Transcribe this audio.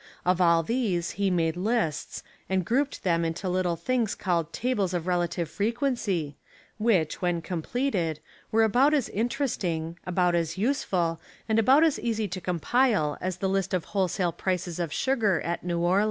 Of all these he made lists and grouped them into little things called Ta bles of Relative Frequency, which, when com pleted, were about as interesting, about as use ful, and about as easy to compile as the list of wholesale prices of sugar at New Orleans.